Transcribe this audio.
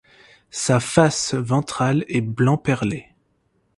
Sa face ventrale est blanc perlé.